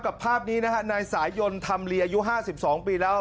กับภาพนี้นะฮะนายสายยนต์ทำเรียอายุ๕๒ปีแล้ว